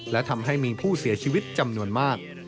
และทำให้มีผู้เสียชีวิตจำนวนมาก